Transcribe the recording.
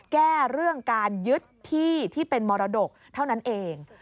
เรื่องการยึดที่ที่เป็นมรดกเท่านั้นเอง